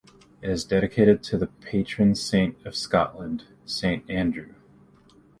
It is dedicated to the patron saint of Scotland, Saint Andrew.